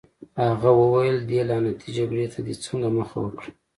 هغه وویل: دې لعنتي جګړې ته دې څنګه مخه وکړه؟